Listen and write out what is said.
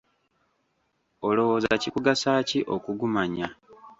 Olowooza kikugasa ki okugumanya?